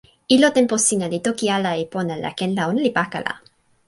ilo tenpo sina li toki ala e pona la ken la ona li pakala.